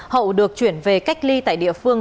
hậu được chuyển về cách ly tại địa phương